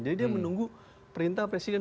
jadi dia menunggu perintah presiden